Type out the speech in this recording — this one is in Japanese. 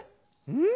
うん？